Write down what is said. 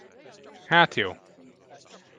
Hát jó.